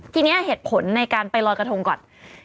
ทีนี้เหตุผลในการไปลอยกระทงก่อน